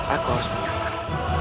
aku harus menyelamat